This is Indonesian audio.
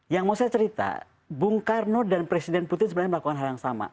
yang mau saya cerita bung karno dan presiden putin sebenarnya melakukan hal yang sama